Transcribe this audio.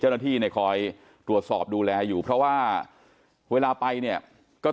เจ้าหน้าที่เนี่ยคอยตรวจสอบดูแลอยู่เพราะว่าเวลาไปเนี่ยก็